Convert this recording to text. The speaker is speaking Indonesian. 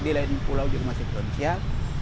di lain pulau juga masih potensial